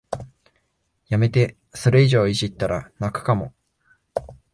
やめて、それ以上いじったら泣くかも